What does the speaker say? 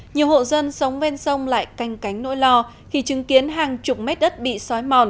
nhiều hộ dân sống ven sông lại canh cánh nỗi lo khi chứng kiến hàng chục mét đất bị xói mòn